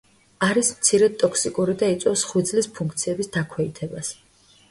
არის მცირედ ტოქსიკური და იწვევს ღვიძლის ფუნქციების დაქვეითებას.